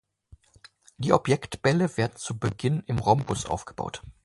Die Objektbälle werden zu Beginn im Rhombus aufgebaut.